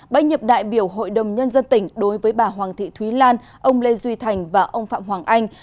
bãi nhiệm đại biểu hội đồng nhân dân tỉnh đối với bà hoàng thị thúy lan ông lê duy thành và ông phạm hoàng anh